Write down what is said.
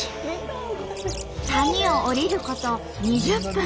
谷を下りること２０分。